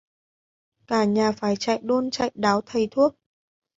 cả nhà phải chạy đôn chạy đáo thầy thuốc